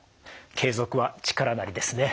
「継続は力なり」ですね。